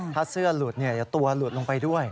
ถ้าเสื้อหลุดเดี๋ยวตัวหลุดลงไปด้วย